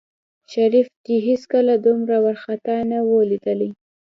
شريف دى هېڅکله دومره وارخطا نه و ليدلى.